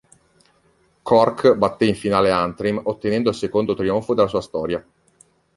Cork batté in finale Antrim ottenendo il secondo trionfo della sua storia.